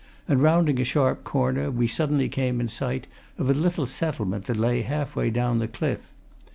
And rounding a sharp corner, we suddenly came in sight of a little settlement that lay half way down the cliff.